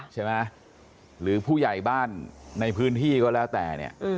ใช่ไหมหรือผู้ใหญ่บ้านในพื้นที่ก็แล้วแต่เนี่ย